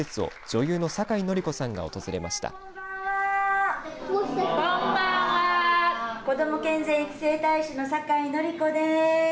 子ども健全育成大使の酒井法子です。